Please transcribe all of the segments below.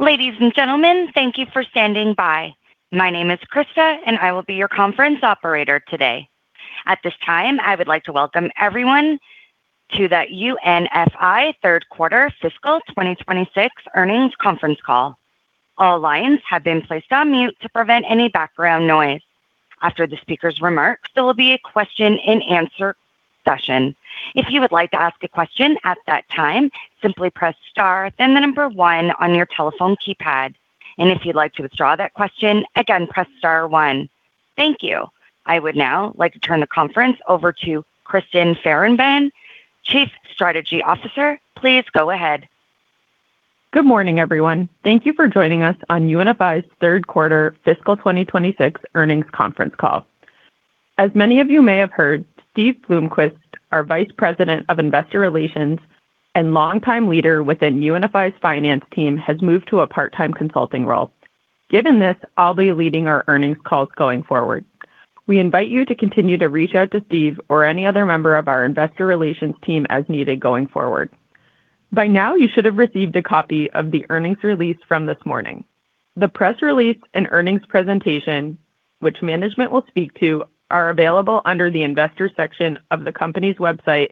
Ladies and gentlemen, thank you for standing by. My name is Krista, and I will be your conference operator today. At this time, I would like to welcome everyone to the UNFI Third Quarter Fiscal 2026 Earnings Conference Call. All lines have been placed on mute to prevent any background noise. After the speakers' remarks, there will be a question-and-answer session. If you would like to ask a question at that time, simply press star, then the number one on your telephone keypad. If you'd like to withdraw that question, again, press star one. Thank you. I would now like to turn the conference over to Kristyn Farahmand, Chief Strategy Officer. Please go ahead. Good morning, everyone. Thank you for joining us on UNFI's third quarter fiscal 2026 earnings conference call. As many of you may have heard, Steve Bloomquist, our Vice President of Investor Relations and longtime leader within UNFI's finance team, has moved to a part-time consulting role. Given this, I'll be leading our earnings calls going forward. We invite you to continue to reach out to Steve or any other member of our investor relations team as needed going forward. By now, you should have received a copy of the earnings release from this morning. The press release and earnings presentation, which management will speak to, are available under the Investors section of the company's website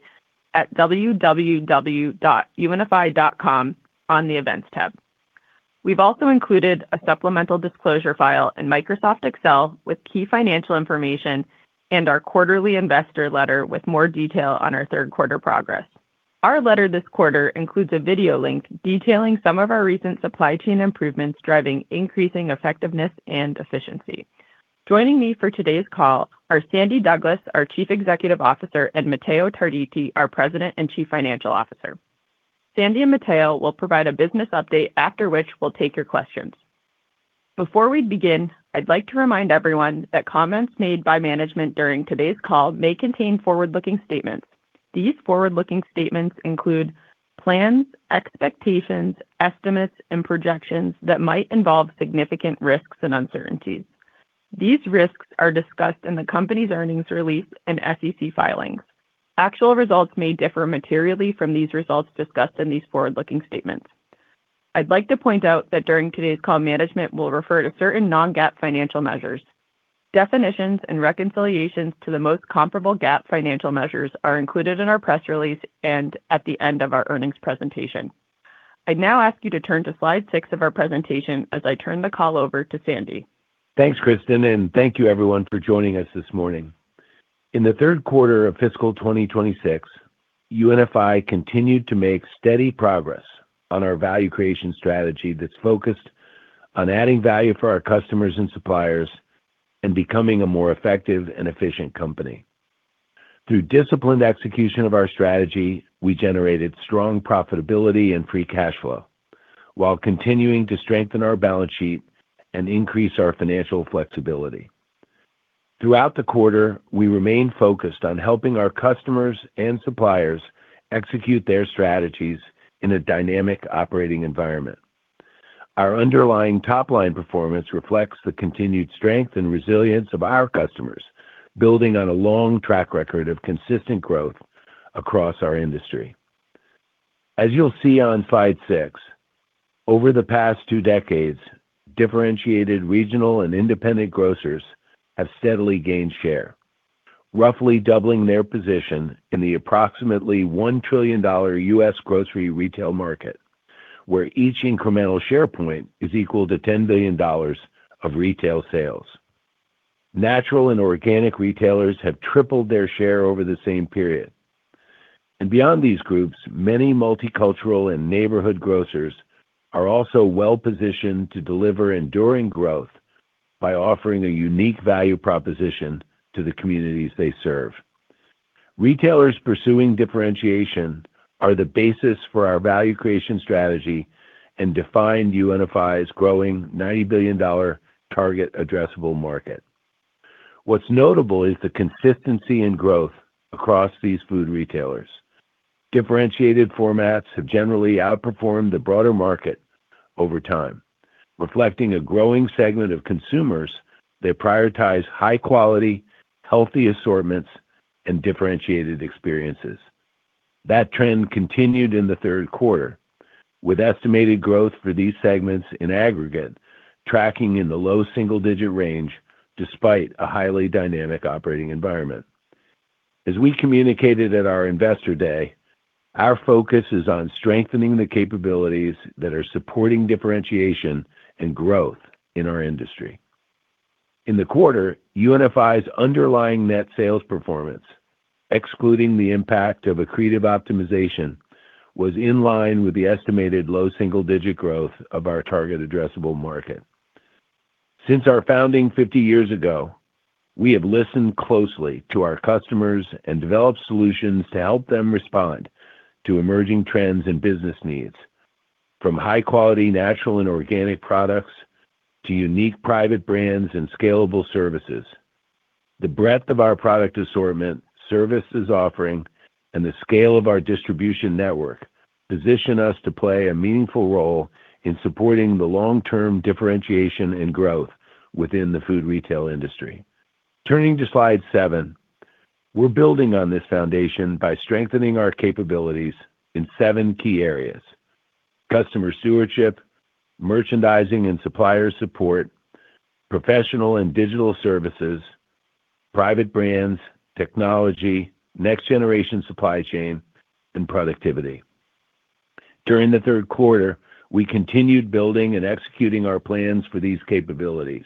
at www.unfi.com on the Events tab. We've also included a supplemental disclosure file in Microsoft Excel with key financial information and our quarterly investor letter with more detail on our third quarter progress. Our letter this quarter includes a video link detailing some of our recent supply chain improvements, driving increasing effectiveness and efficiency. Joining me for today's call are Sandy Douglas, our Chief Executive Officer, and Matteo Tarditi, our President and Chief Financial Officer. Sandy and Matteo will provide a business update, after which we'll take your questions. Before we begin, I'd like to remind everyone that comments made by management during today's call may contain forward-looking statements. These forward-looking statements include plans, expectations, estimates, and projections that might involve significant risks and uncertainties. These risks are discussed in the company's earnings release and SEC filings. Actual results may differ materially from these results discussed in these forward-looking statements. I'd like to point out that during today's call, management will refer to certain non-GAAP financial measures. Definitions and reconciliations to the most comparable GAAP financial measures are included in our press release and at the end of our earnings presentation. I now ask you to turn to slide six of our presentation as I turn the call over to Sandy. Thanks, Kristyn, and thank you, everyone, for joining us this morning. In the third quarter of fiscal 2026, UNFI continued to make steady progress on our value creation strategy that's focused on adding value for our customers and suppliers and becoming a more effective and efficient company. Through disciplined execution of our strategy, we generated strong profitability and free cash flow while continuing to strengthen our balance sheet and increase our financial flexibility. Throughout the quarter, we remained focused on helping our customers and suppliers execute their strategies in a dynamic operating environment. Our underlying top-line performance reflects the continued strength and resilience of our customers, building on a long track record of consistent growth across our industry. As you'll see on slide six, over the past two decades, differentiated regional and independent grocers have steadily gained share, roughly doubling their position in the approximately $1 trillion U.S. grocery retail market, where each incremental share point is equal to $10 billion of retail sales. Natural and organic retailers have tripled their share over the same period. Beyond these groups, many multicultural and neighborhood grocers are also well-positioned to deliver enduring growth by offering a unique value proposition to the communities they serve. Retailers pursuing differentiation are the basis for our value creation strategy and define UNFI's growing $90 billion target addressable market. What's notable is the consistency in growth across these food retailers. Differentiated formats have generally outperformed the broader market over time, reflecting a growing segment of consumers that prioritize high-quality, healthy assortments, and differentiated experiences. That trend continued in the third quarter, with estimated growth for these segments in aggregate tracking in the low single-digit range despite a highly dynamic operating environment. As we communicated at our Investor Day, our focus is on strengthening the capabilities that are supporting differentiation and growth in our industry. In the quarter, UNFI's underlying net sales performance, excluding the impact of accretive optimization, was in line with the estimated low single-digit growth of our target addressable market. Since our founding 50 years ago, we have listened closely to our customers and developed solutions to help them respond to emerging trends and business needs. From high-quality natural and organic products to unique private brands and scalable services, the breadth of our product assortment, services offering, and the scale of our distribution network position us to play a meaningful role in supporting the long-term differentiation and growth within the food retail industry. Turning to slide seven. We're building on this foundation by strengthening our capabilities in seven key areas: customer stewardship, merchandising and supplier support, professional and digital services, private brands, technology, next-generation supply chain, and productivity. During the third quarter, we continued building and executing our plans for these capabilities,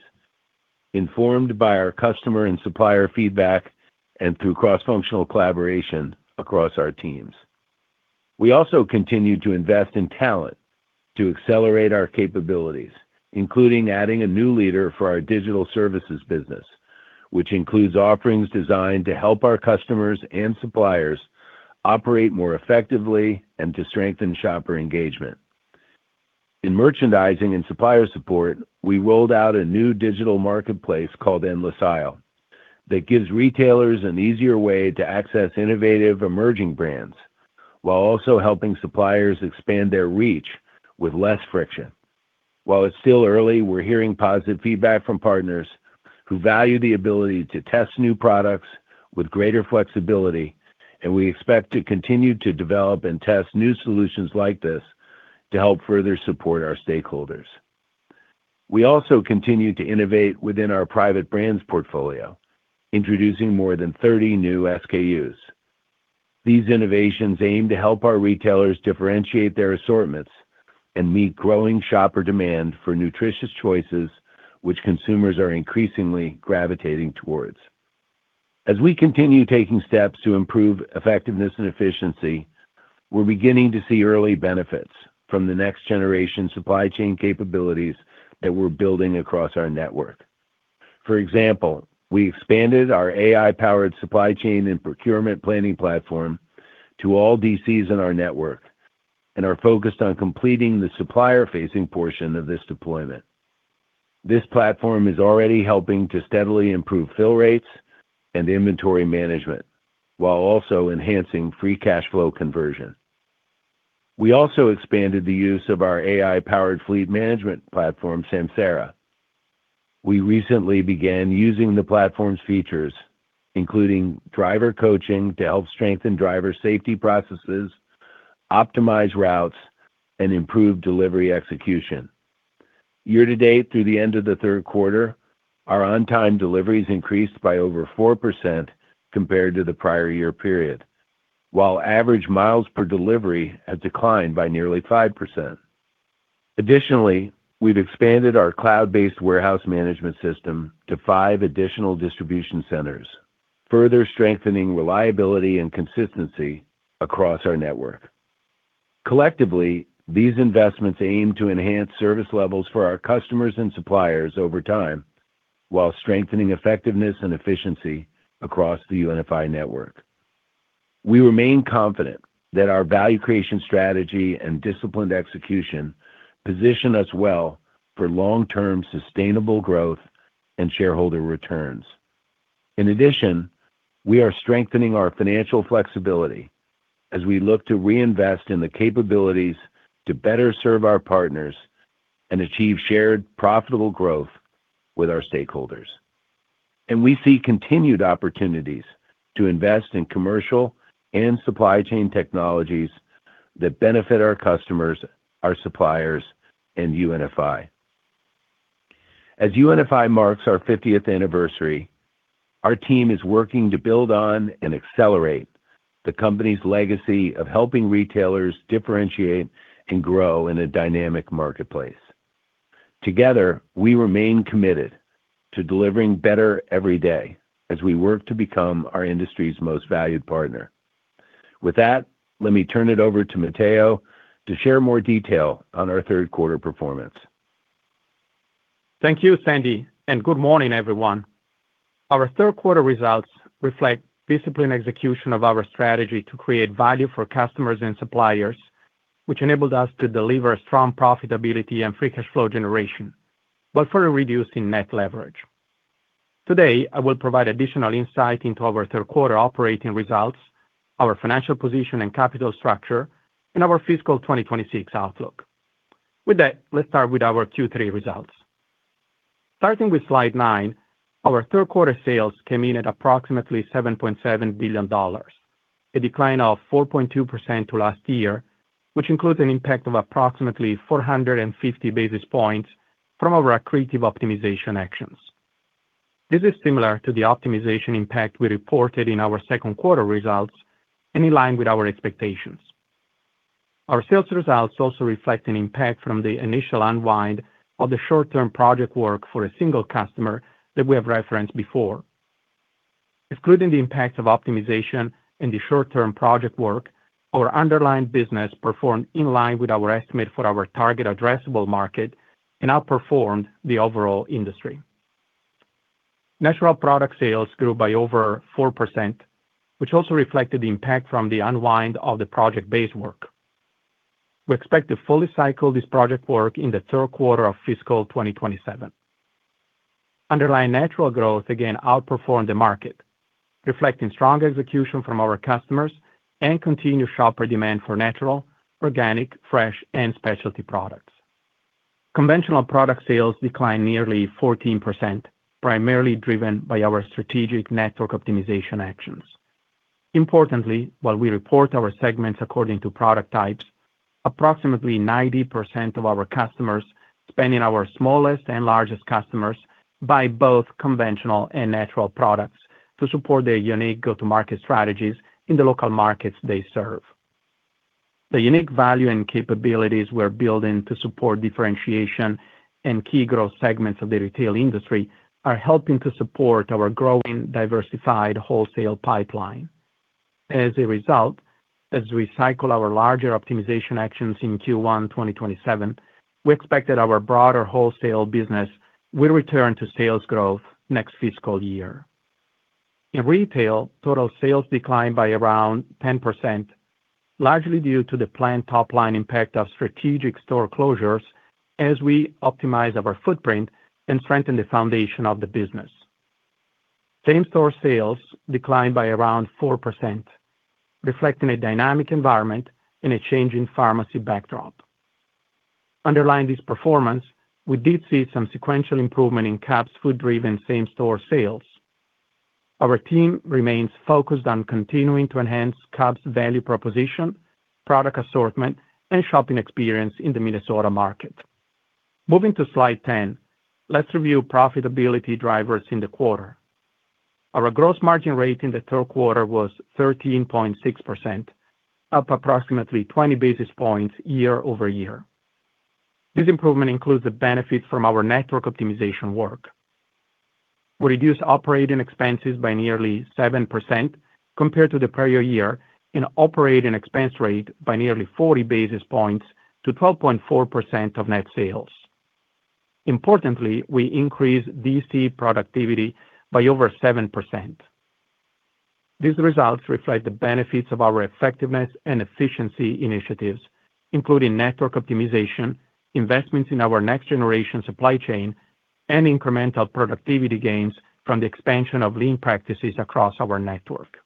informed by our customer and supplier feedback and through cross-functional collaboration across our teams. We also continued to invest in talent to accelerate our capabilities, including adding a new leader for our digital services business, which includes offerings designed to help our customers and suppliers operate more effectively and to strengthen shopper engagement. In merchandising and supplier support, we rolled out a new digital marketplace called Endless Aisle that gives retailers an easier way to access innovative emerging brands while also helping suppliers expand their reach with less friction. While it's still early, we're hearing positive feedback from partners who value the ability to test new products with greater flexibility, and we expect to continue to develop and test new solutions like this to help further support our stakeholders. We also continue to innovate within our private brands portfolio, introducing more than 30 new SKUs. These innovations aim to help our retailers differentiate their assortments and meet growing shopper demand for nutritious choices, which consumers are increasingly gravitating towards. As we continue taking steps to improve effectiveness and efficiency, we're beginning to see early benefits from the next-generation supply chain capabilities that we're building across our network. For example, we expanded our AI-powered supply chain and procurement planning platform to all DCs in our network and are focused on completing the supplier-facing portion of this deployment. This platform is already helping to steadily improve fill rates and inventory management while also enhancing free cash flow conversion. We also expanded the use of our AI-powered fleet management platform, Samsara. We recently began using the platform's features, including driver coaching to help strengthen driver safety processes, optimize routes, and improve delivery execution. Year-to-date, through the end of the third quarter, our on-time deliveries increased by over 4% compared to the prior year period, while average miles per delivery have declined by nearly 5%. We've expanded our cloud-based warehouse management system to five additional distribution centers, further strengthening reliability and consistency across our network. Collectively, these investments aim to enhance service levels for our customers and suppliers over time while strengthening effectiveness and efficiency across the UNFI network. We remain confident that our value creation strategy and disciplined execution position us well for long-term sustainable growth and shareholder returns. In addition, we are strengthening our financial flexibility as we look to reinvest in the capabilities to better serve our partners and achieve shared profitable growth with our stakeholders. We see continued opportunities to invest in commercial and supply chain technologies that benefit our customers, our suppliers, and UNFI. As UNFI marks our 50th anniversary, our team is working to build on and accelerate the company's legacy of helping retailers differentiate and grow in a dynamic marketplace. Together, we remain committed to delivering better every day as we work to become our industry's most valued partner. With that, let me turn it over to Matteo to share more detail on our third quarter performance. Thank you, Sandy, and good morning, everyone. Our third quarter results reflect disciplined execution of our strategy to create value for customers and suppliers, which enabled us to deliver strong profitability and free cash flow generation while further reducing net leverage. Today, I will provide additional insight into our third quarter operating results, our financial position and capital structure, and our fiscal 2026 outlook. With that, let's start with our Q3 results. Starting with slide nine, our third quarter sales came in at approximately $7.7 billion, a decline of 4.2% to last year, which includes an impact of approximately 450 basis points from our accretive optimization actions. This is similar to the optimization impact we reported in our second quarter results and in line with our expectations. Our sales results also reflect an impact from the initial unwind of the short-term project work for a single customer that we have referenced before. Excluding the impact of optimization and the short-term project work, our underlying business performed in line with our estimate for our target addressable market and outperformed the overall industry. Natural product sales grew by over 4%, which also reflected the impact from the unwind of the project-based work. We expect to fully cycle this project work in the third quarter of fiscal 2027. Underlying natural growth again outperformed the market, reflecting strong execution from our customers and continued shopper demand for natural, organic, fresh, and specialty products. Conventional product sales declined nearly 14%, primarily driven by our strategic network optimization actions. Importantly, while we report our segments according to product types, approximately 90% of our customers, spanning our smallest and largest customers, buy both conventional and natural products to support their unique go-to-market strategies in the local markets they serve. The unique value and capabilities we're building to support differentiation in key growth segments of the retail industry are helping to support our growing diversified wholesale pipeline. As a result, as we cycle our larger optimization actions in Q1 2027, we expect that our broader wholesale business will return to sales growth next fiscal year. In retail, total sales declined by around 10%, largely due to the planned top-line impact of strategic store closures as we optimize our footprint and strengthen the foundation of the business. Same-store sales declined by around 4%, reflecting a dynamic environment in a changing pharmacy backdrop. Underlying this performance, we did see some sequential improvement in Cub's food-driven same-store sales. Our team remains focused on continuing to enhance Cub's value proposition, product assortment, and shopping experience in the Minnesota market. Moving to slide 10, let's review profitability drivers in the quarter. Our gross margin rate in the third quarter was 13.6%, up approximately 20 basis points year-over-year. This improvement includes the benefits from our network optimization work. We reduced operating expenses by nearly 7% compared to the prior year and operating expense rate by nearly 40 basis points to 12.4% of net sales. Importantly, we increased DC productivity by over 7%. These results reflect the benefits of our effectiveness and efficiency initiatives, including network optimization, investments in our next-generation supply chain, and incremental productivity gains from the expansion of lean practices across our network.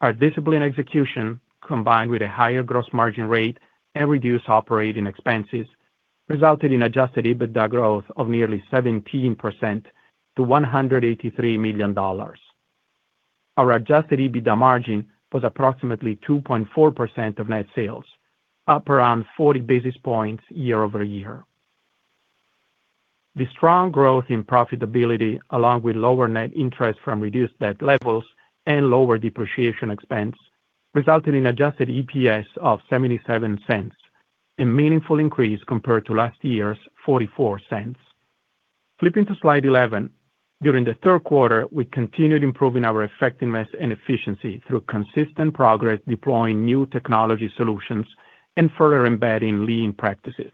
Our disciplined execution, combined with a higher gross margin rate and reduced operating expenses, resulted in adjusted EBITDA growth of nearly 17% to $183 million. Our adjusted EBITDA margin was approximately 2.4% of net sales, up around 40 basis points year-over-year. The strong growth in profitability, along with lower net interest from reduced debt levels and lower depreciation expense, resulted in adjusted EPS of $0.77, a meaningful increase compared to last year's $0.44. Flipping to slide 11, during the third quarter, we continued improving our effectiveness and efficiency through consistent progress, deploying new technology solutions and further embedding lean practices.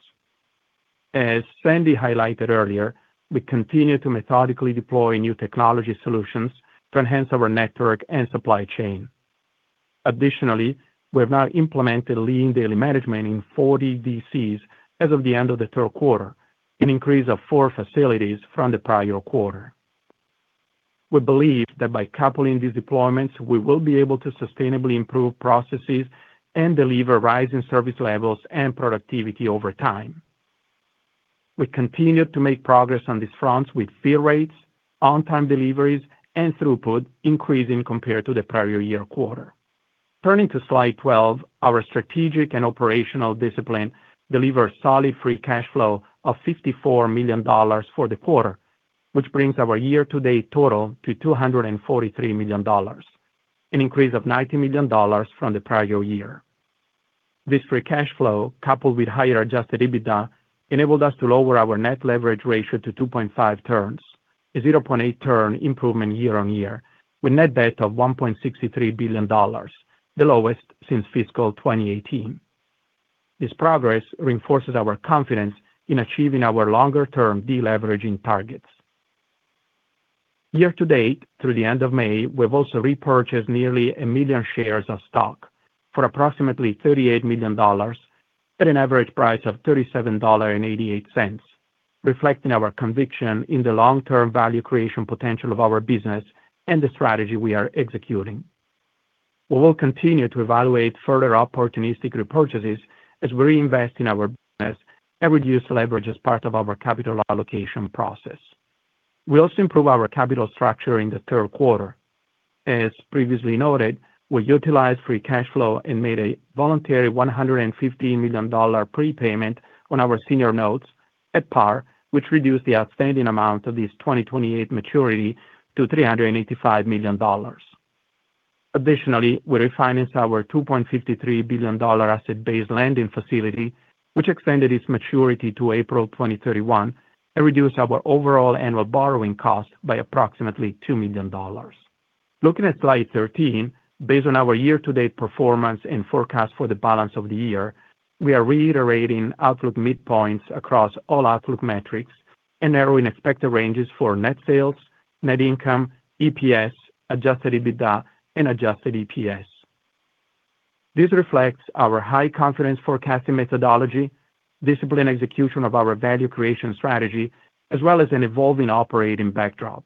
As Sandy highlighted earlier, we continue to methodically deploy new technology solutions to enhance our network and supply chain. Additionally, we have now implemented lean daily management in 40 DCs as of the end of the third quarter, an increase of four facilities from the prior quarter. We believe that by coupling these deployments, we will be able to sustainably improve processes and deliver rising service levels and productivity over time. We continue to make progress on these fronts, with fill rates, on-time deliveries, and throughput increasing compared to the prior year quarter. Turning to slide 12, our strategic and operational discipline delivered solid free cash flow of $54 million for the quarter, which brings our year-to-date total to $243 million, an increase of $90 million from the prior year. This free cash flow, coupled with higher adjusted EBITDA, enabled us to lower our net leverage ratio to 2.5x, a 0.8x improvement year-on-year, with net debt of $1.63 billion, the lowest since fiscal 2018. This progress reinforces our confidence in achieving our longer-term deleveraging targets. Year to date, through the end of May, we've also repurchased nearly a million shares of stock for approximately $38 million at an average price of $37.88, reflecting our conviction in the long-term value creation potential of our business and the strategy we are executing. We will continue to evaluate further opportunistic repurchases as we reinvest in our business and reduce leverage as part of our capital allocation process. We also improved our capital structure in the third quarter. As previously noted, we utilized free cash flow and made a voluntary $150 million prepayment on our senior notes at par, which reduced the outstanding amount of this 2028 maturity to $385 million. We refinanced our $2.53 billion asset-based lending facility, which extended its maturity to April 2031 and reduced our overall annual borrowing cost by approximately $2 million. Looking at slide 13, based on our year-to-date performance and forecast for the balance of the year, we are reiterating outlook midpoints across all outlook metrics and narrowing expected ranges for net sales, net income, EPS, adjusted EBITDA, and adjusted EPS. This reflects our high-confidence forecasting methodology, disciplined execution of our value creation strategy, as well as an evolving operating backdrop.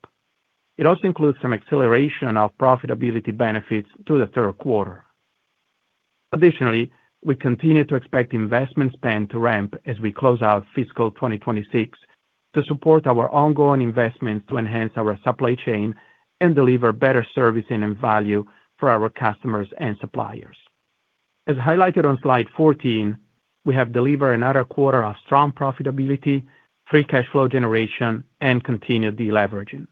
It also includes some acceleration of profitability benefits to the third quarter. Additionally, we continue to expect investment spend to ramp as we close out fiscal 2026 to support our ongoing investments to enhance our supply chain and deliver better servicing and value for our customers and suppliers. As highlighted on slide 14, we have delivered another quarter of strong profitability, free cash flow generation, and continued deleveraging.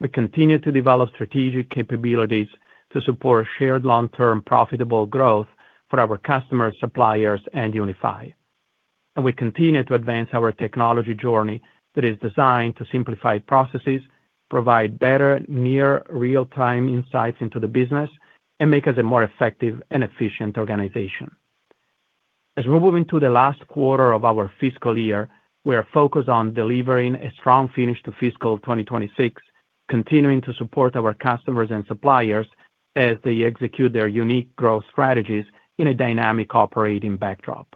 We continue to develop strategic capabilities to support shared long-term profitable growth for our customers, suppliers and UNFI. We continue to advance our technology journey that is designed to simplify processes, provide better near real-time insights into the business, and make us a more effective and efficient organization. As we're moving to the last quarter of our fiscal year, we are focused on delivering a strong finish to fiscal 2026, continuing to support our customers and suppliers as they execute their unique growth strategies in a dynamic operating backdrop.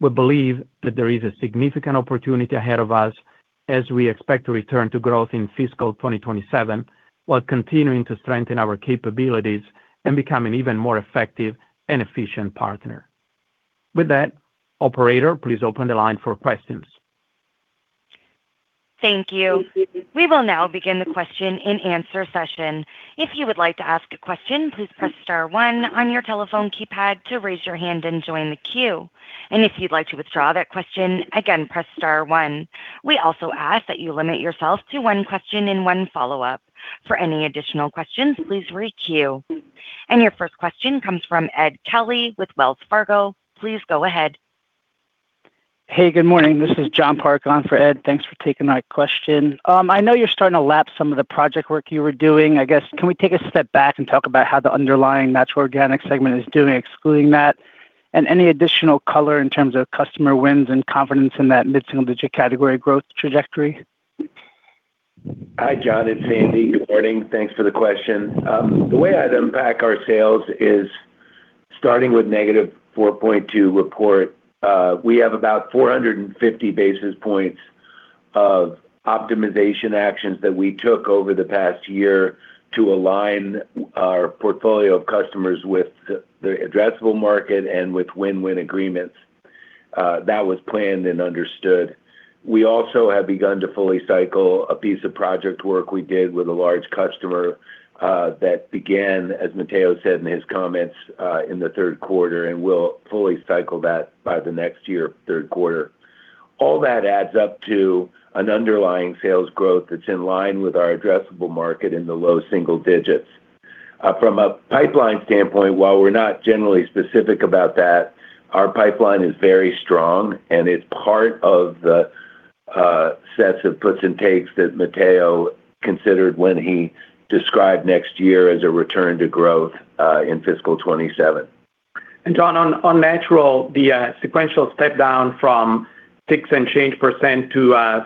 We believe that there is a significant opportunity ahead of us as we expect to return to growth in fiscal 2027, while continuing to strengthen our capabilities and become an even more effective and efficient partner. With that, Operator, please open the line for questions. Thank you. We will now begin the question and answer session. If you would like to ask a question, please press star one on your telephone keypad to raise your hand and join the queue. If you'd like to withdraw that question, again, press star one. We also ask that you limit yourself to one question and one follow-up. For any additional questions, please re-queue. Your first question comes from Ed Kelly with Wells Fargo. Please go ahead. Hey, good morning. This is John Parke on for Ed. Thanks for taking my question. I know you're starting to lap some of the project work you were doing. I guess, can we take a step back and talk about how the underlying natural organic segment is doing, excluding that? Any additional color in terms of customer wins and confidence in that mid-single digit category growth trajectory? Hi, John, it's Sandy. Good morning. Thanks for the question. The way I'd unpack our sales is starting with -4.2% report. We have about 450 basis points of optimization actions that we took over the past year to align our portfolio of customers with the addressable market and with win-win agreements. That was planned and understood. We also have begun to fully cycle a piece of project work we did with a large customer, that began, as Matteo said in his comments, in the third quarter, and we'll fully cycle that by the next year, third quarter. All that adds up to an underlying sales growth that's in line with our addressable market in the low single digits. From a pipeline standpoint, while we're not generally specific about that, our pipeline is very strong, and it's part of the sets of puts and takes that Matteo considered when he described next year as a return to growth in fiscal 2027. John, on natural, the sequential step down from 6% and change to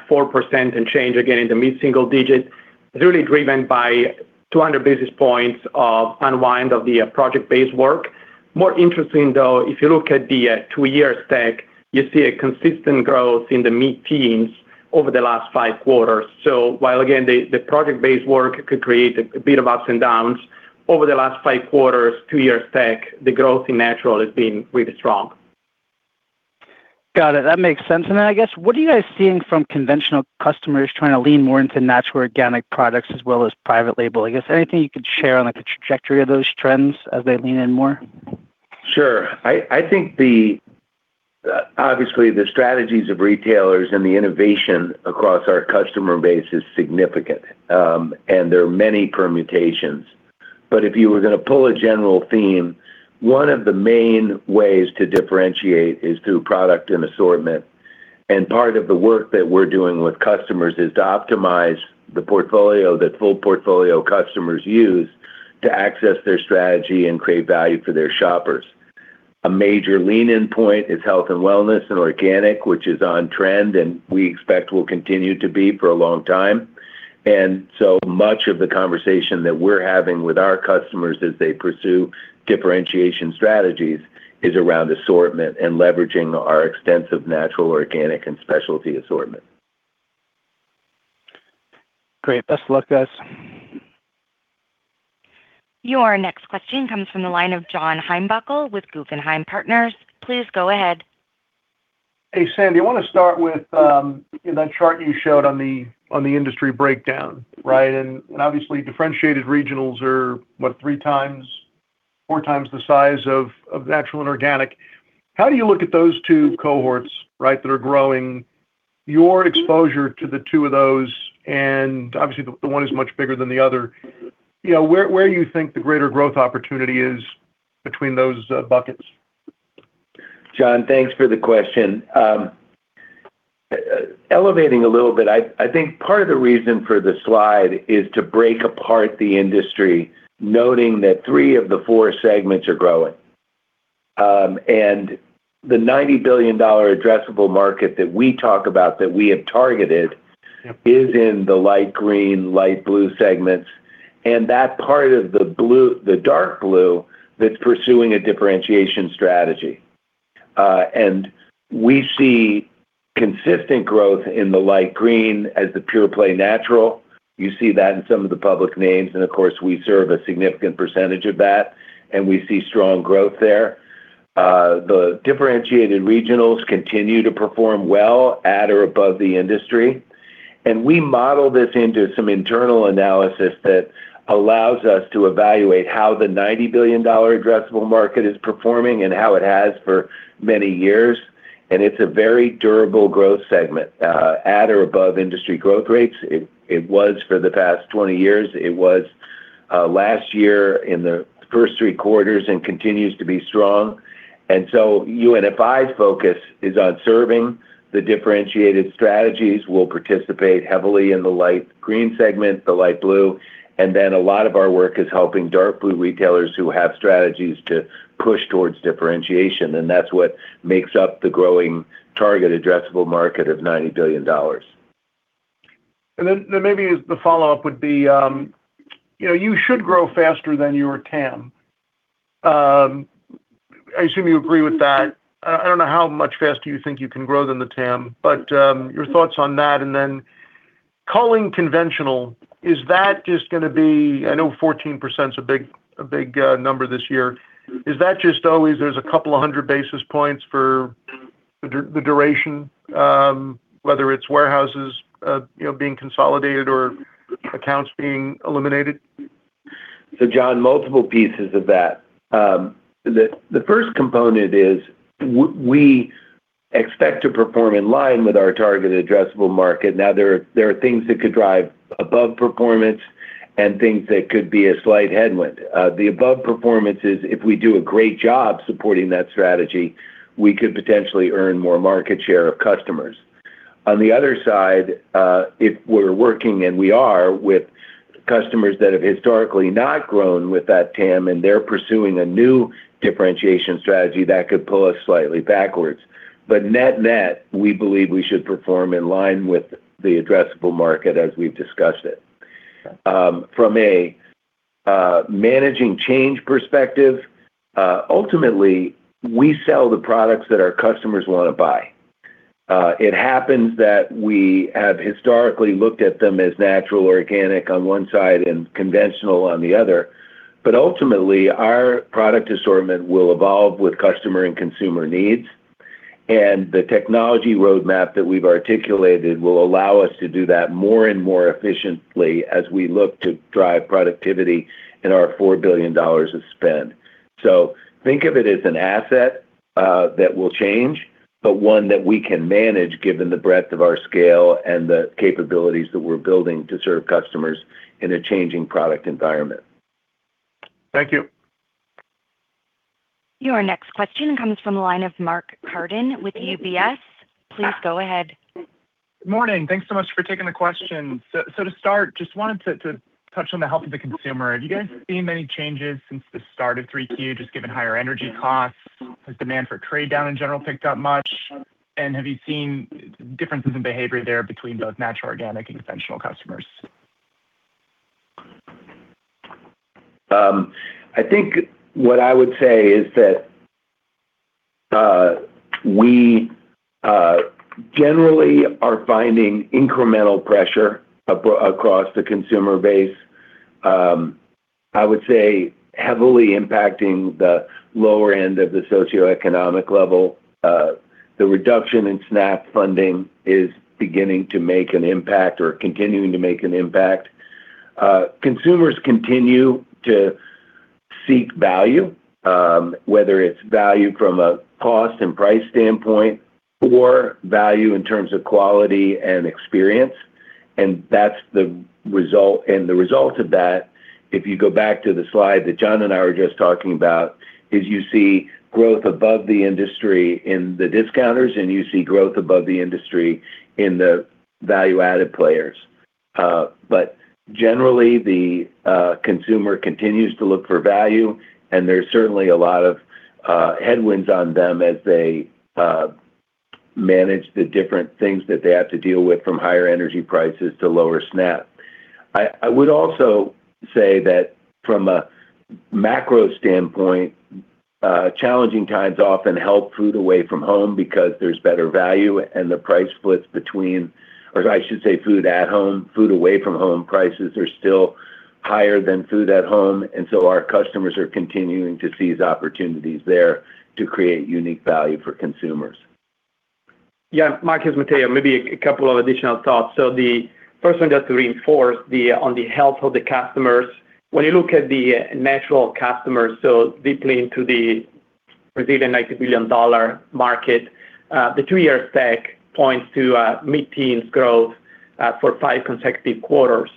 4% and change again in the mid-single digit is really driven by 200 basis points of unwind of the project-based work. More interesting though, if you look at the two-year stack, you see a consistent growth in the mid-teens over the last five quarters. While again, the project-based work could create a bit of ups and downs, over the last five quarters, two-year stack, the growth in natural has been really strong. Got it. That makes sense. Then I guess, what are you guys seeing from conventional customers trying to lean more into natural organic products as well as private label? I guess anything you could share on the trajectory of those trends as they lean in more? Sure. I think obviously, the strategies of retailers and the innovation across our customer base is significant, and there are many permutations. If you were going to pull a general theme, one of the main ways to differentiate is through product and assortment. Part of the work that we're doing with customers is to optimize the portfolio that full portfolio customers use to access their strategy and create value for their shoppers. A major lean in point is health and wellness and organic, which is on trend, and we expect will continue to be for a long time. So much of the conversation that we're having with our customers as they pursue differentiation strategies is around assortment and leveraging our extensive natural, organic, and specialty assortment. Great. Best of luck, guys. Your next question comes from the line of John Heinbockel with Guggenheim Partners. Please go ahead. Hey, Sandy. I want to start with that chart you showed on the industry breakdown, right? Obviously differentiated regionals are, what, 3x, 4x the size of natural and organic. How do you look at those two cohorts, right, that are growing your exposure to the two of those, and obviously the one is much bigger than the other. Where do you think the greater growth opportunity is between those buckets? John, thanks for the question. Elevating a little bit, I think part of the reason for the slide is to break apart the industry, noting that three of the four segments are growing. The $90 billion addressable market that we talk about that we have targeted is in the light green, light blue segments, and that part of the dark blue that's pursuing a differentiation strategy. We see consistent growth in the light green as the pure play natural. You see that in some of the public names and of course, we serve a significant percentage of that and we see strong growth there. The differentiated regionals continue to perform well at or above the industry. We model this into some internal analysis that allows us to evaluate how the $90 billion addressable market is performing and how it has for many years. It's a very durable growth segment at or above industry growth rates. It was for the past 20 years. It was last year in the first three quarters and continues to be strong. UNFI's focus is on serving the differentiated strategies. We'll participate heavily in the light green segment, the light blue, and then a lot of our work is helping dark blue retailers who have strategies to push towards differentiation. That's what makes up the growing target addressable market of $90 billion. Maybe the follow-up would be, you should grow faster than your TAM. I assume you agree with that. I don't know how much faster you think you can grow than the TAM, but your thoughts on that and then culling conventional, is that just going to be, I know 14% is a big number this year. Is that just always there's a couple of hundred basis points for the duration, whether it's warehouses being consolidated or accounts being eliminated? John, multiple pieces of that. The first component is, we expect to perform in line with our targeted addressable market. Now, there are things that could drive above performance and things that could be a slight headwind. The above performance is if we do a great job supporting that strategy, we could potentially earn more market share of customers. On the other side, if we're working, and we are, with customers that have historically not grown with that TAM and they're pursuing a new differentiation strategy, that could pull us slightly backwards. Net-net, we believe we should perform in line with the addressable market as we've discussed it. From a managing change perspective, ultimately, we sell the products that our customers want to buy. It happens that we have historically looked at them as natural organic on one side and conventional on the other, but ultimately, our product assortment will evolve with customer and consumer needs. The technology roadmap that we've articulated will allow us to do that more and more efficiently as we look to drive productivity in our $4 billion of spend. Think of it as an asset that will change, but one that we can manage given the breadth of our scale and the capabilities that we're building to serve customers in a changing product environment. Thank you. Your next question comes from the line of Mark Carden with UBS. Please go ahead. Morning. Thanks so much for taking the question. To start, just wanted to touch on the health of the consumer. Have you guys seen many changes since the start of 3Q, just given higher energy costs? Has demand for trade down in general picked up much? Have you seen differences in behavior there between both natural organic and conventional customers? I think what I would say is that we generally are finding incremental pressure across the consumer base. I would say heavily impacting the lower end of the socioeconomic level. The reduction in SNAP funding is beginning to make an impact or continuing to make an impact. Consumers continue to seek value, whether it's value from a cost and price standpoint or value in terms of quality and experience. The result of that, if you go back to the slide that John and I were just talking about, is you see growth above the industry in the discounters, and you see growth above the industry in the value-added players. Generally, the consumer continues to look for value, and there's certainly a lot of headwinds on them as they manage the different things that they have to deal with, from higher energy prices to lower SNAP. I would also say that from a macro standpoint, challenging times often help food away from home because there's better value and the price splits between Or I should say food at home. Food away from home prices are still higher than food at home. Our customers are continuing to seize opportunities there to create unique value for consumers. Yeah. Mark, it's Matteo. Maybe a couple of additional thoughts. The first one just to reinforce on the health of the customers. When you look at the natural customers, so deeply into the resilient $90 billion market, the two-year stack points to mid-teens growth for five consecutive quarters.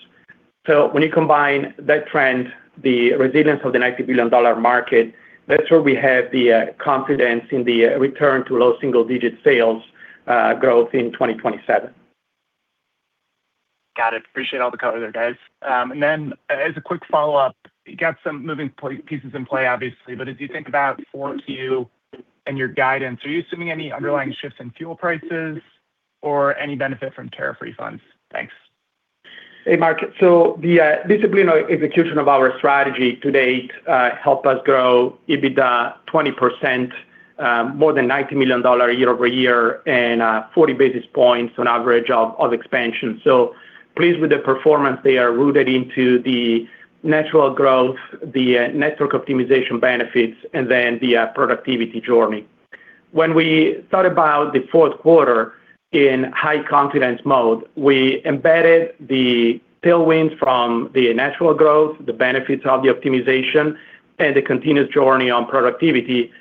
When you combine that trend, the resilience of the $90 billion market, that's where we have the confidence in the return to low single-digit sales growth in 2027. Got it. Appreciate all the color there, guys. As a quick follow-up, you got some moving pieces in play, obviously, but as you think about 4Q and your guidance, are you assuming any underlying shifts in fuel prices or any benefit from tariff refunds? Thanks. Hey, Mark. The disciplined execution of our strategy to date helped us grow EBITDA 20% more than $90 million year-over-year and 40 basis points on average of expansion. Pleased with the performance. They are rooted into the natural growth, the network optimization benefits, the productivity journey. When we thought about the fourth quarter in high confidence mode, we embedded the tailwinds from the natural growth, the benefits of the optimization, and the continuous journey on productivity,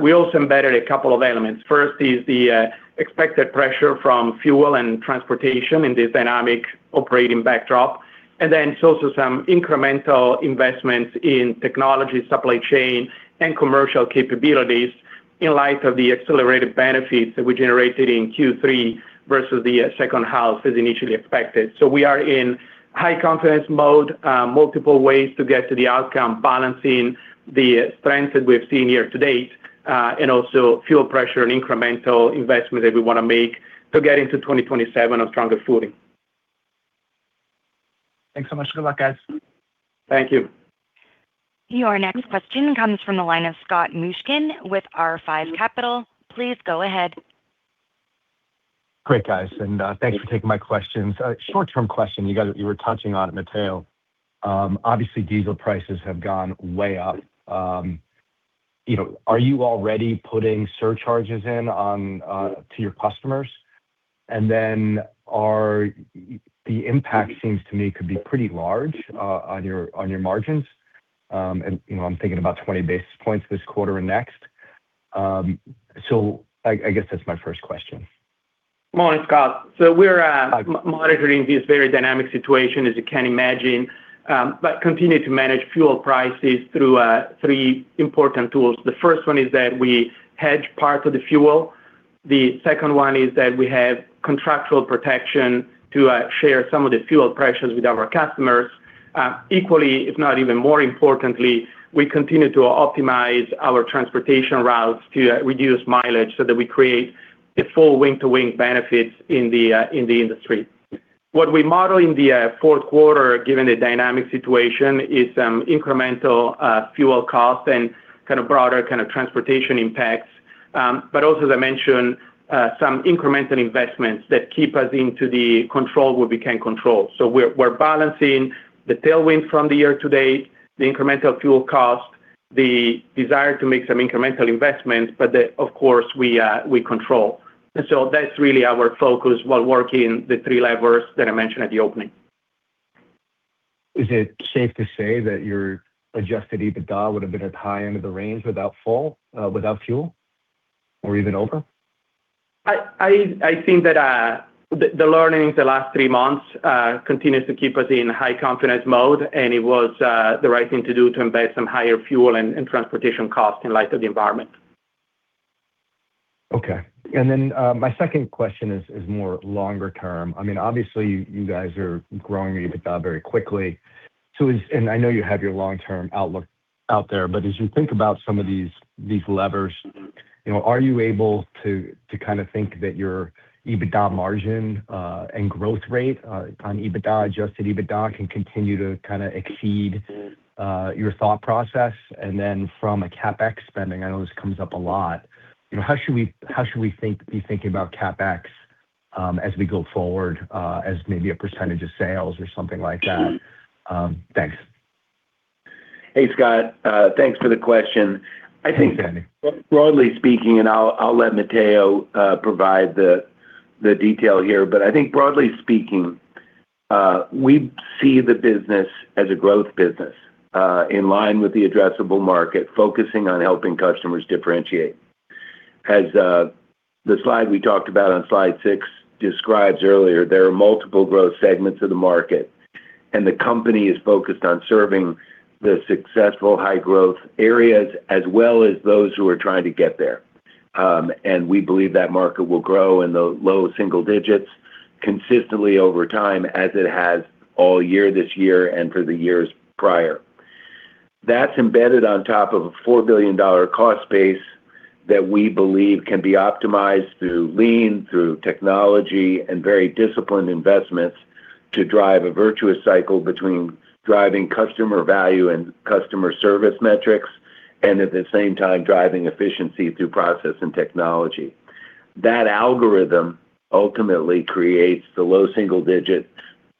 we also embedded a couple of elements. First is the expected pressure from fuel and transportation in this dynamic operating backdrop, it's also some incremental investments in technology, supply chain, and commercial capabilities in light of the accelerated benefits that we generated in Q3 versus the second half as initially expected. We are in high confidence mode, multiple ways to get to the outcome, balancing the strengths that we have seen year to date, and also fuel pressure and incremental investment that we want to make to get into 2027 on stronger footing. Thanks so much. Good luck, guys. Thank you. Your next question comes from the line of Scott Mushkin with R5 Capital. Please go ahead. Great, guys. Thanks for taking my questions. A short-term question you were touching on, Matteo. Obviously, diesel prices have gone way up. Are you already putting surcharges in to your customers? The impact seems to me could be pretty large on your margins. I'm thinking about 20 basis points this quarter and next. I guess that's my first question. Morning, Scott. We're monitoring this very dynamic situation, as you can imagine. Continue to manage fuel prices through three important tools. The first one is that we hedge parts of the fuel. The second one is that we have contractual protection to share some of the fuel pressures with our customers. Equally, if not even more importantly, we continue to optimize our transportation routes to reduce mileage so that we create the full wing-to-wing benefits in the industry. What we model in the fourth quarter, given the dynamic situation, is incremental fuel costs and broader transportation impacts. Also, as I mentioned, some incremental investments that keep us into the control what we can control. We're balancing the tailwind from the year to date, the incremental fuel cost, the desire to make some incremental investments, but that, of course, we control. That's really our focus while working the three levers that I mentioned at the opening. Is it safe to say that your adjusted EBITDA would have been at high end of the range without fuel? Even over? I think that the learnings the last three months continues to keep us in high confidence mode, and it was the right thing to do to embed some higher fuel and transportation costs in light of the environment. Okay. My second question is more longer term. Obviously, you guys are growing EBITDA very quickly. I know you have your long-term outlook out there, but as you think about some of these levers, are you able to kind of think that your EBITDA margin and growth rate on EBITDA, adjusted EBITDA, can continue to kind of exceed your thought process? From a CapEx spending, I know this comes up a lot, how should we be thinking about CapEx as we go forward as maybe a percentage of sales or something like that? Thanks. Hey, Scott. Thanks for the question. Hey, Sandy. I think broadly speaking, I'll let Matteo provide the detail here. I think broadly speaking, we see the business as a growth business in line with the addressable market, focusing on helping customers differentiate. As the slide we talked about on slide six describes earlier, there are multiple growth segments of the market. The company is focused on serving the successful high-growth areas as well as those who are trying to get there. We believe that market will grow in the low single digits consistently over time, as it has all year this year and for the years prior. That's embedded on top of a $4 billion cost base that we believe can be optimized through lean, through technology and very disciplined investments to drive a virtuous cycle between driving customer value and customer service metrics, and at the same time, driving efficiency through process and technology. That algorithm ultimately creates the low single-digit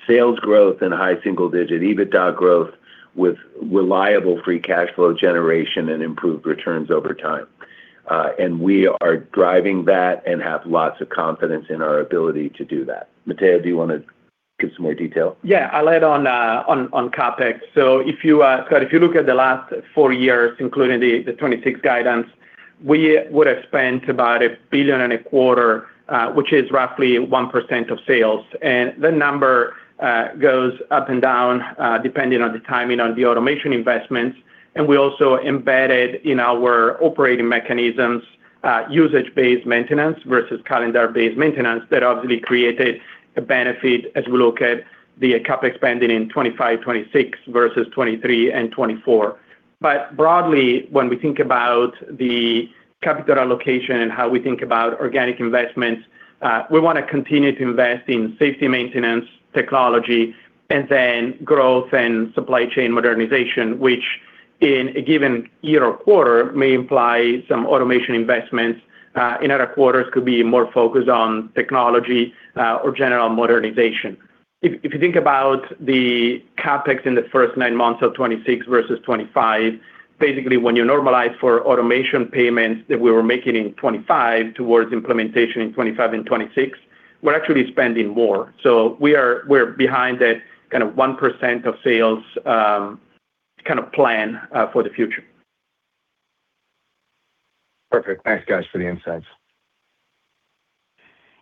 sales growth and high single-digit EBITDA growth with reliable free cash flow generation and improved returns over time. We are driving that and have lots of confidence in our ability to do that. Matteo, do you want to give some more detail? Yeah, I'll add on CapEx. Scott, if you look at the last four years, including the 2026 guidance, we would have spent about a billion and a quarter, which is roughly 1% of sales. The number goes up and down depending on the timing on the automation investments. We also embedded in our operating mechanisms, usage-based maintenance versus calendar-based maintenance that obviously created a benefit as we look at the CapEx spending in 2025, 2026 versus 2023 and 2024. Broadly, when we think about the capital allocation and how we think about organic investments, we want to continue to invest in safety maintenance, technology, and then growth and supply chain modernization, which in a given year or quarter may imply some automation investments. In other quarters, could be more focused on technology or general modernization. If you think about the CapEx in the first nine months of 2026 versus 2025, basically, when you normalize for automation payments that we were making in 2025 towards implementation in 2025 and 2026, we're actually spending more. We're behind that 1% of sales plan for the future. Perfect. Thanks, guys, for the insights.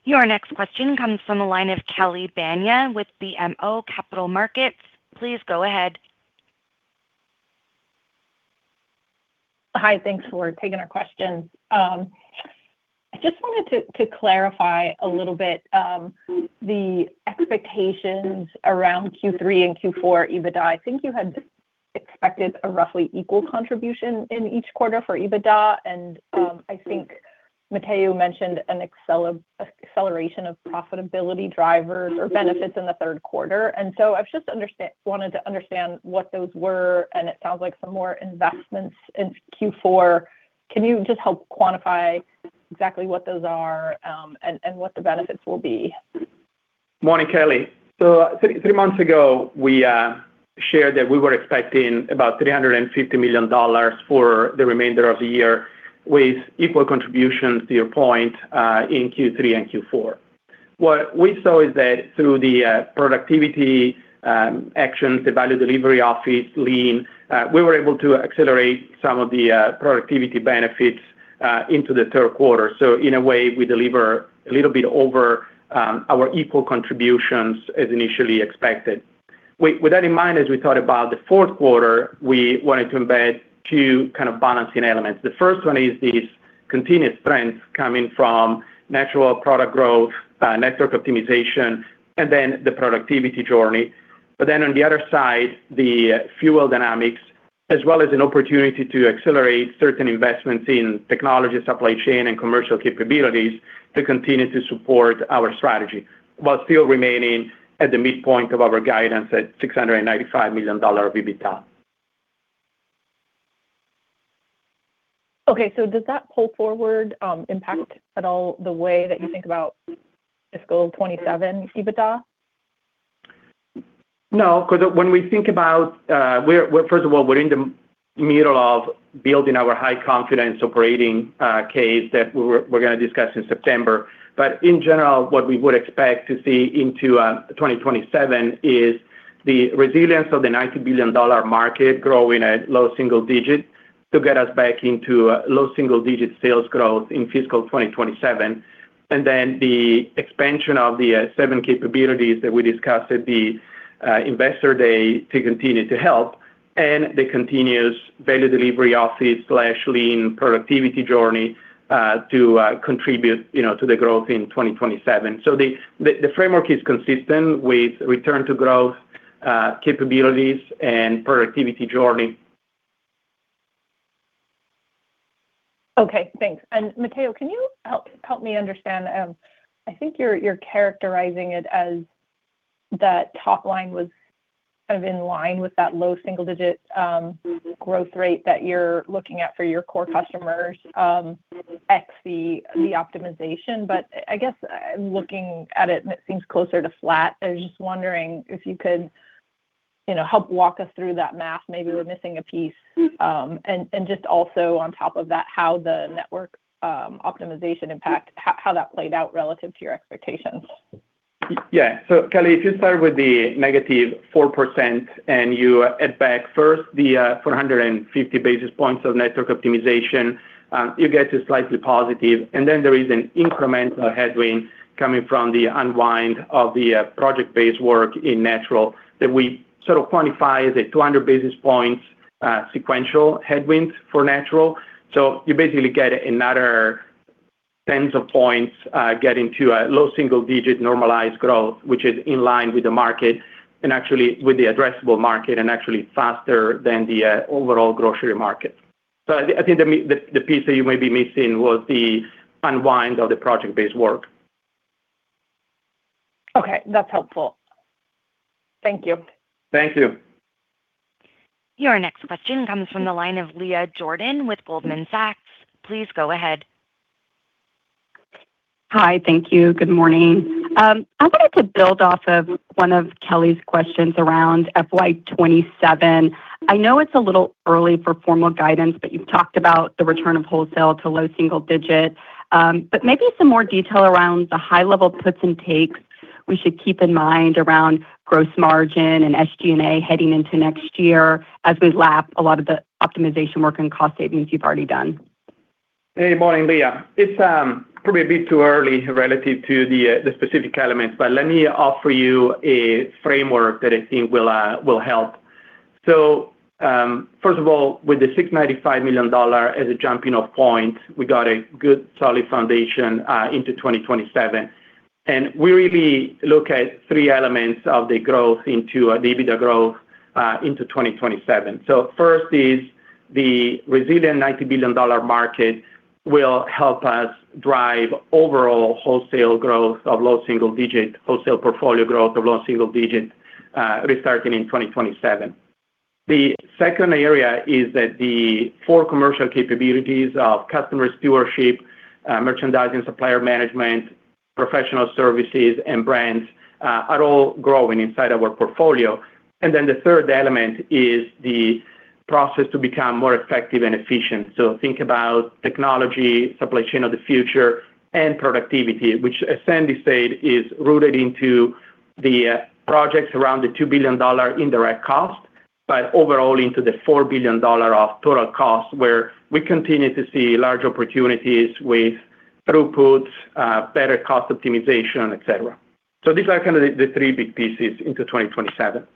Your next question comes from the line of Kelly Bania with BMO Capital Markets. Please go ahead. Hi. Thanks for taking our question. I just wanted to clarify a little bit, the expectations around Q3 and Q4 EBITDA. I think you had expected a roughly equal contribution in each quarter for EBITDA, and I think Matteo mentioned an acceleration of profitability drivers or benefits in the third quarter. I just wanted to understand what those were, and it sounds like some more investments in Q4. Can you just help quantify exactly what those are and what the benefits will be? Morning, Kelly. Three months ago, we shared that we were expecting about $350 million for the remainder of the year with equal contributions, to your point, in Q3 and Q4. What we saw is that through the productivity actions, the Value Delivery Office, Lean, we were able to accelerate some of the productivity benefits into the third quarter. In a way, we deliver a little bit over our equal contributions as initially expected. With that in mind, as we thought about the fourth quarter, we wanted to embed two balancing elements. The first one is this continuous strength coming from Natural product growth, network optimization, and the productivity journey. On the other side, the fuel dynamics, as well as an opportunity to accelerate certain investments in technology, supply chain, and commercial capabilities to continue to support our strategy, while still remaining at the midpoint of our guidance at $695 million EBITDA. Does that pull-forward impact at all the way that you think about fiscal 2027 EBITDA? When we think about, first of all, we're in the middle of building our high-confidence operating case that we're going to discuss in September. In general, what we would expect to see into 2027 is the resilience of the $90 billion market growing at low double digit to get us back into low single digit sales growth in fiscal 2027, and the expansion of the seven capabilities that we discussed at the Investor Day to continue to help, and the continuous Value Delivery Office/Lean productivity journey to contribute to the growth in 2027. The framework is consistent with return to growth, capabilities, and productivity journey. Okay, thanks. Matteo, can you help me understand, I think you're characterizing it as that top line was in line with that low single digit growth rate that you're looking at for your core customers, ex the optimization. I guess looking at it, and it seems closer to flat, I was just wondering if you could help walk us through that math. Maybe we're missing a piece. Just also on top of that, how the network optimization impact, how that played out relative to your expectations. Yeah. Kelly, if you start with the -4% and you add back first the 450 basis points of network optimization, you get to slightly positive. Then there is an incremental headwind coming from the unwind of the project-based work in Natural that we sort of quantify as a 200 basis points sequential headwind for Natural. You basically get another tens of points getting to a low single digit normalized growth, which is in line with the market and actually with the addressable market and actually faster than the overall grocery market. I think the piece that you may be missing was the unwind of the project-based work. Okay. That's helpful. Thank you. Thank you. Your next question comes from the line of Leah Jordan with Goldman Sachs. Please go ahead. Hi. Thank you. Good morning. I wanted to build off of one of Kelly's questions around FY 2027. I know it's a little early for formal guidance, but you've talked about the return of wholesale to low single digit. Maybe some more detail around the high level puts and takes we should keep in mind around gross margin and SG&A heading into next year as we lap a lot of the optimization work and cost savings you've already done. Hey. Morning, Leah. It's probably a bit too early relative to the specific elements, but let me offer you a framework that I think will help. First of all, with the $695 million as a jumping off point, we got a good, solid foundation into 2027. We really look at three elements of the growth into our EBITDA growth into 2027. First is the resilient $90 billion market will help us drive overall wholesale growth of low single digit wholesale portfolio growth of low single digit restarting in 2027. The second area is that the four commercial capabilities of customer stewardship, merchandising, supplier management, professional services, and brands are all growing inside our portfolio. The third element is the process to become more effective and efficient. Think about technology, supply chain of the future and productivity, which as Sandy said, is rooted into the projects around the $2 billion indirect cost, but overall into the $4 billion of total cost, where we continue to see large opportunities with throughput, better cost optimization, et cetera. These are kind of the three big pieces into 2027.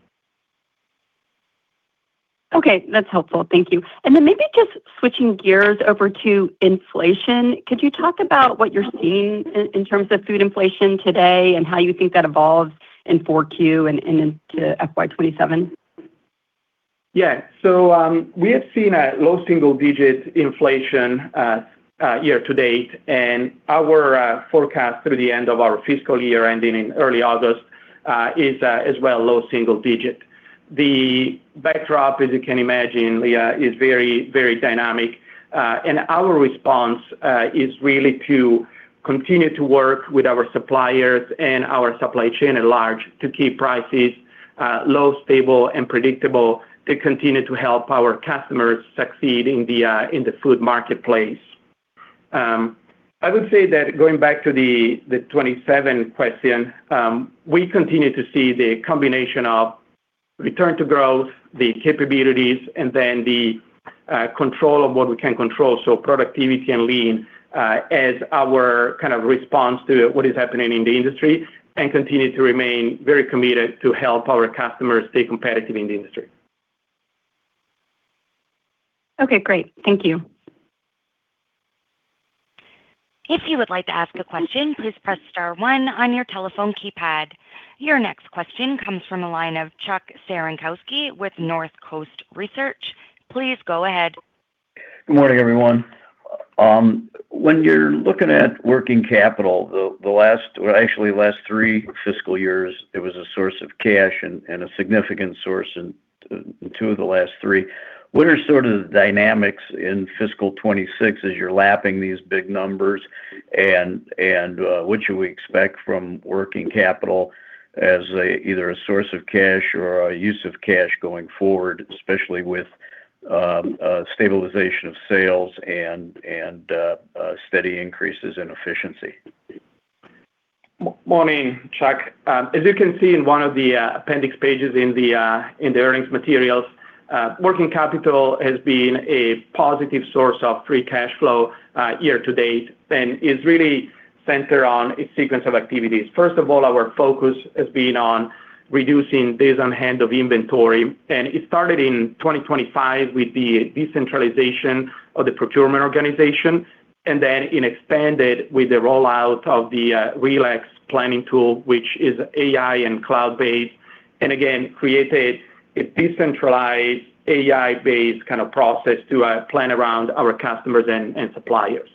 Okay. That's helpful. Thank you. Then maybe just switching gears over to inflation, could you talk about what you're seeing in terms of food inflation today and how you think that evolves in 4Q and into FY 2027? Yeah. We have seen a low single digit inflation year to date, and our forecast through the end of our fiscal year ending in early August, is as well low single digit. The backdrop, as you can imagine, Leah, is very dynamic. Our response is really to continue to work with our suppliers and our supply chain at large to keep prices low, stable and predictable to continue to help our customers succeed in the food marketplace. I would say that going back to the 2027 question, we continue to see the combination of return to growth, the capabilities, then the control of what we can control. Productivity and lean as our kind of response to what is happening in the industry and continue to remain very committed to help our customers stay competitive in the industry. Okay, great. Thank you. If you would like to ask a question, please press star one on your telephone keypad. Your next question comes from the line of Chuck Cerankosky with Northcoast Research. Please go ahead. Good morning, everyone. When you're looking at working capital, the last, well, actually last three fiscal years, it was a source of cash and a significant source in two of the last three. What are sort of the dynamics in fiscal 2026 as you're lapping these big numbers and what should we expect from working capital as either a source of cash or a use of cash going forward, especially with stabilization of sales and steady increases in efficiency? Morning, Chuck. As you can see in one of the appendix pages in the earnings materials, working capital has been a positive source of free cash flow year to date and is really centered on a sequence of activities. First of all, our focus has been on reducing days on hand of inventory, and it started in 2025 with the decentralization of the procurement organization and then it expanded with the rollout of the Relex planning tool, which is AI and cloud-based, and again, created a decentralized AI-based kind of process to plan around our customers and suppliers.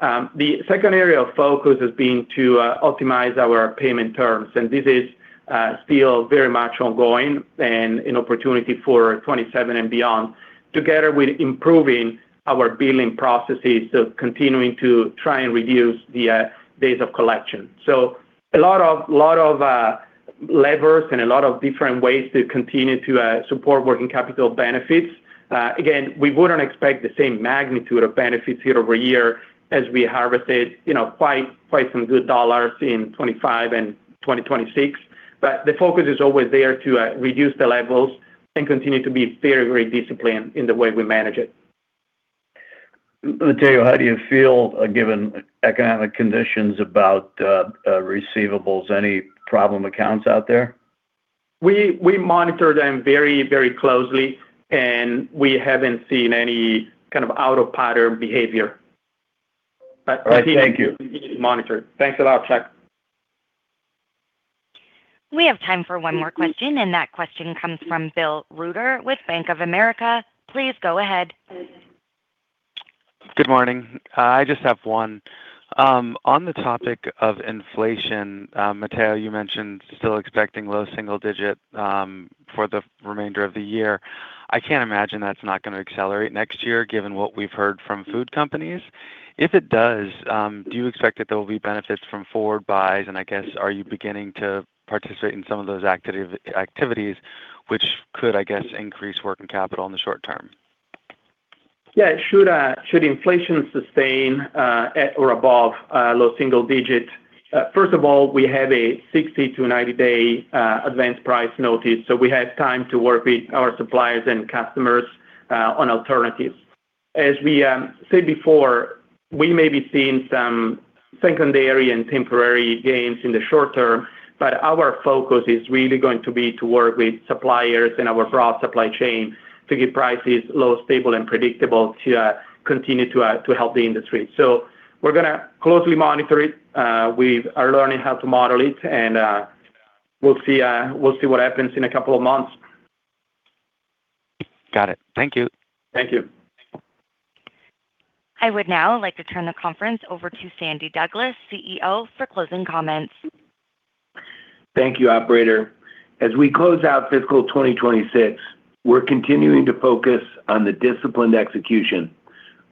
The second area of focus has been to optimize our payment terms, and this is still very much ongoing and an opportunity for 2027 and beyond, together with improving our billing processes, continuing to try and reduce the days of collection. A lot of levers and a lot of different ways to continue to support working capital benefits. Again, we wouldn't expect the same magnitude of benefits year-over-year as we harvested quite some good dollars in 2025 and 2026, but the focus is always there to reduce the levels and continue to be very disciplined in the way we manage it. Matteo, how do you feel, given economic conditions about receivables? Any problem accounts out there? We monitor them very closely, and we haven't seen any kind of out of pattern behavior. All right. Thank you. We continue to monitor. Thanks a lot, Chuck. We have time for one more question, and that question comes from Bill Reuter with Bank of America. Please go ahead. Good morning. I just have one. On the topic of inflation, Matteo, you mentioned still expecting low single digit for the remainder of the year. I can't imagine that's not going to accelerate next year given what we've heard from food companies. If it does, do you expect that there will be benefits from forward buys, and I guess are you beginning to participate in some of those activities which could, I guess, increase working capital in the short term? Yeah. Should inflation sustain at or above low single digit, first of all, we have a 60-90 day advanced price notice, so we have time to work with our suppliers and customers on alternatives. As we said before, we may be seeing some secondary and temporary gains in the short term, but our focus is really going to be to work with suppliers and our broad supply chain to keep prices low, stable and predictable to continue to help the industry. We're going to closely monitor it. We are learning how to model it and we'll see what happens in a couple of months. Got it. Thank you. Thank you. I would now like to turn the conference over to Sandy Douglas, CEO, for closing comments. Thank you, operator. As we close out fiscal 2026, we're continuing to focus on the disciplined execution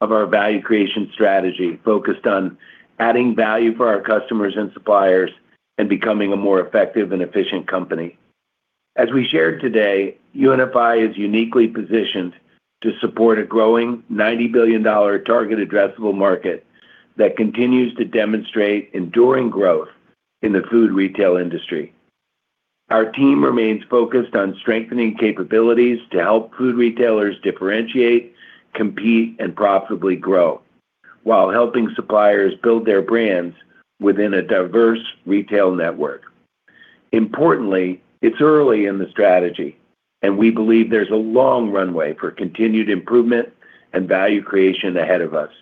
of our value creation strategy, focused on adding value for our customers and suppliers and becoming a more effective and efficient company. As we shared today, UNFI is uniquely positioned to support a growing $90 billion target addressable market that continues to demonstrate enduring growth in the food retail industry. Our team remains focused on strengthening capabilities to help food retailers differentiate, compete, and profitably grow, while helping suppliers build their brands within a diverse retail network. Importantly, it's early in the strategy, and we believe there's a long runway for continued improvement and value creation ahead of us.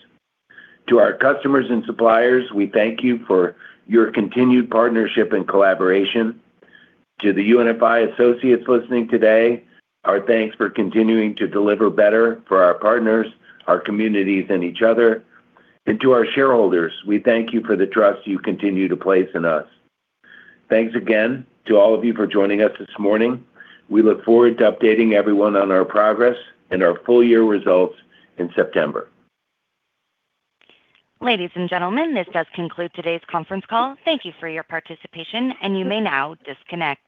To our customers and suppliers, we thank you for your continued partnership and collaboration. To the UNFI associates listening today, our thanks for continuing to deliver better for our partners, our communities, and each other. To our shareholders, we thank you for the trust you continue to place in us. Thanks again to all of you for joining us this morning. We look forward to updating everyone on our progress and our full year results in September. Ladies and gentlemen, this does conclude today's conference call. Thank you for your participation, and you may now disconnect.